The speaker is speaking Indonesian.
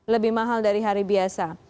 lebih mahal dari hari biasa